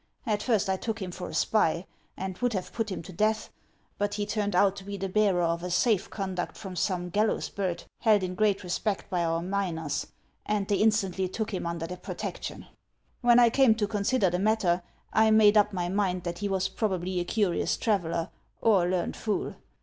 At first I took him for a spy, and would have put him to death ; but he turned out to be the bearer of a safe conduct from some gallows bird held in great respect by our miners, and they instantly took him under their protection. When 1 came to consider the matter, I made up my mind that he was probably a curious traveller or a learned fool.